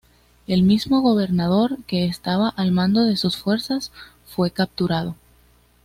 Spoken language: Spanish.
El mismo gobernador, que estaba al mando de sus fuerzas, fue capturado.